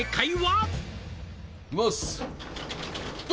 いきますあ